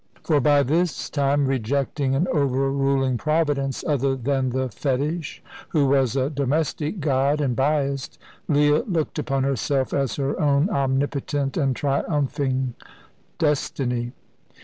For by this time, rejecting an overruling Providence other than the fetish, who was a domestic god and biased, Leah looked upon herself as her own omnipotent and triumphing Destiny.